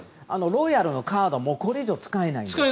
ロイヤルのカードもこれ以上使えないんです。